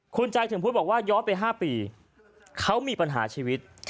คุณใจถึงพุทธบอกว่าย้อนไป๕ปีเขามีปัญหาชีวิต